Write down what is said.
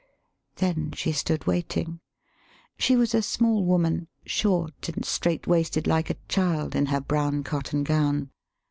[Then she stood waiting. She was a small woman, short and straight waisted like a child in her brown cotton gown.